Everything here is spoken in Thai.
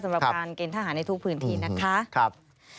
สำหรับการเกณฑ์ทหารในทุกพื้นที่นะคะ